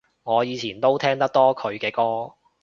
我以前都聽得多佢嘅歌